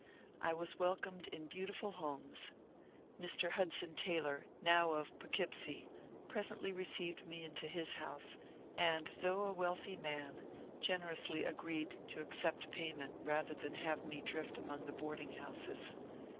I was welcomed in beautiful homes. Mr. Hudson Taylor, now of Poughkeepsie, presently received me into his house, and though a weidthy man generously agreed to accept payment rather than have me drift among the boarding houses.